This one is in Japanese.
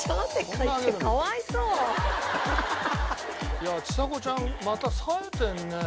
いやちさ子ちゃんまたさえてるね。